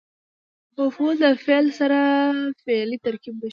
مفعول د فعل سره فعلي ترکیب بشپړوي.